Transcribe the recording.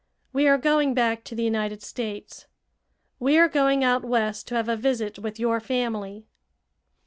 We are going back to the United States. We are going out West to have a visit with your family."